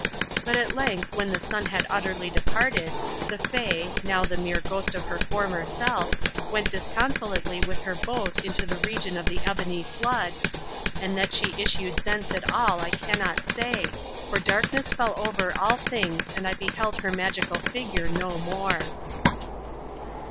But at length when the sun had utterly departed, the Fay, now the mere ghost of her former self, went disconsolately with her boat into the region of the ebony flood—and that she issued thence at all I cannot say, for darkness fell over all things and I beheld her magical figure no more.